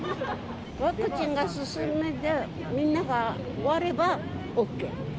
ワクチンが進んで、みんなが終わればＯＫ。